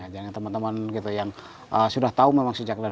jangan teman teman gitu yang sudah tahu memang sejak dari